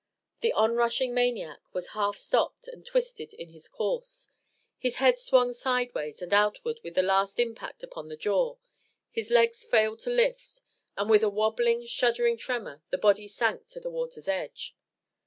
The on rushing maniac was half stopped and twisted in his course. His head swung sideways and outward with the last impact upon the jaw; his legs failed to lift, and with a wabbling, shuddering tremor the body sank to the water's edge.